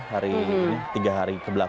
hari ini tiga hari kebelakang